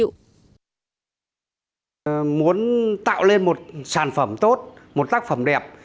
muốn tạo lên một sản phẩm tốt một tác phẩm đẹp